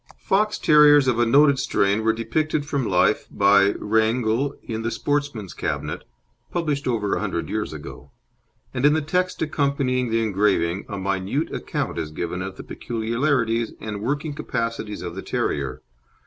Fox terriers of a noted strain were depicted from life by Reinagle in The Sportsman's Cabinet, published over a hundred years ago; and in the text accompanying the engraving a minute account is given of the peculiarities and working capacities of the terrier.